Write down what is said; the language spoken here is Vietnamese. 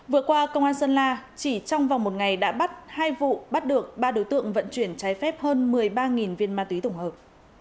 vừa qua công an sơn la chỉ trong vòng một ngày đã bắt hai vụ bắt được ba đối tượng vận chuyển trái phép hơn một mươi ba viên ma túy tổng hợp